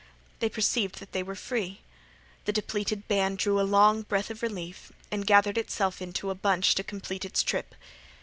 They perceived that they were free. The depleted band drew a long breath of relief and gathered itself into a bunch to complete its trip.